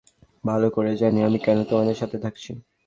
ভালো করেই জানি, আমি কেন তোমাদের সাথে থাকছি।